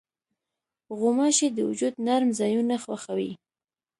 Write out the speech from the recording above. غوماشې د وجود نرم ځایونه خوښوي.